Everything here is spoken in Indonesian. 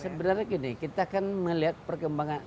sebenarnya gini kita kan melihat perkembangan